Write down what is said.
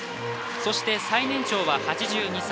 そして最年長は８２歳。